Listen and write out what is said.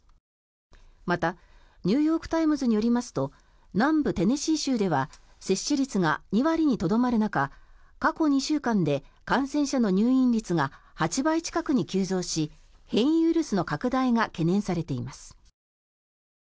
また、ニューヨーク・タイムズによりますと南部テネシー州では接種率が２割にとどまる中過去２週間で感染者の入院率が８倍近くに急増し変異ウイルスの拡大が懸念されています。